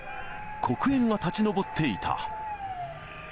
黒煙が立ち上っていた。